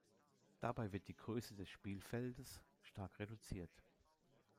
Dabei wird die Größe des Spielfeldes stark reduziert.